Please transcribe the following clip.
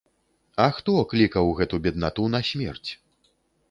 А хто клікаў гэту беднату на смерць?